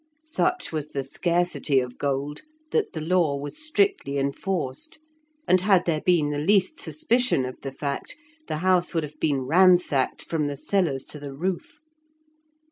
Such was the scarcity of gold that the law was strictly enforced, and had there been the least suspicion of the fact, the house would have been ransacked from the cellars to the roof.